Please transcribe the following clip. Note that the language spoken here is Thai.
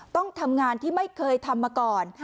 ต้องทำงานที่ไม่เคยทำมาก่อน